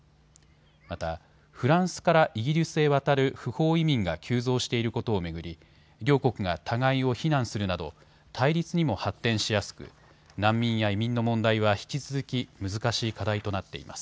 また、フランスからイギリスへ渡る不法移民が急増していることを巡り、両国が互いを非難するなど対立にも発展しやすく難民や移民の問題は引き続き難しい課題となっています。